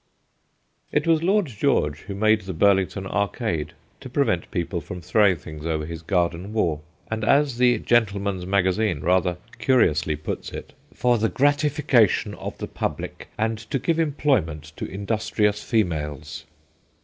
It was Lord George who made the Bur lington Arcade, to prevent people from throwing things over his garden wall, and, as the Gentleman's Magazine rather curiously puts it, ' for the gratification of the publick, and to give employment to industrious females.'